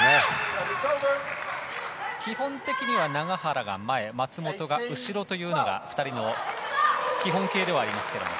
基本的には永原が前松本が後ろというのが２人の基本形ではあります。